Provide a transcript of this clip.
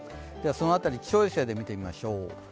ではその辺り、気象衛星で見てみましょう。